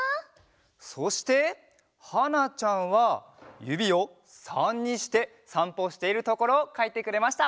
そしてはなちゃんはゆびを３にしてさんぽしているところをかいてくれました。